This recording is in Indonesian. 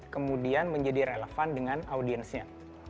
kemudian menjadi relevan dengan audiensnya